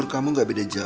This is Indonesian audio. terima kasih ana